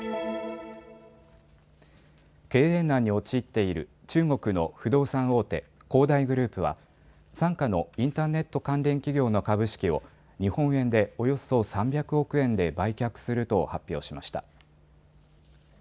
経営難に陥っている中国の不動産大手、恒大グループは傘下のインターネット関連企業の株式を日本円でおよそ３００億円で売却すると発表しました。